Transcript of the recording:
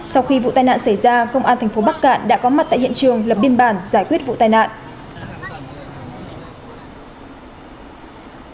sau khi vụ tai nạn xảy ra công an thành phố bắc cạn đã có mặt tại hiện trường lập biên bản giải quyết vụ tai nạn